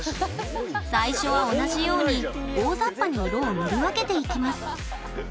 最初は同じように大ざっぱに色を塗り分けていきます